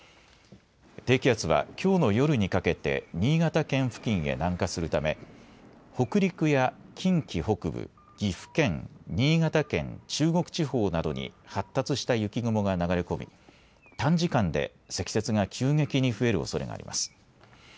低気圧は、きょうの夜にかけて新潟県付近へ南下するため北陸や近畿北部、岐阜県、新潟県、中国地方などに発達した雪雲が流れ込み短時間で積雪が急激に増えるおそれがあります。